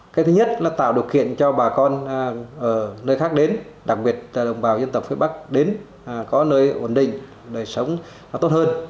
cái thứ nhất là tạo điều kiện cho bà con ở nơi khác đến đặc biệt đồng bào dân tộc phía bắc đến có nơi ổn định đời sống tốt hơn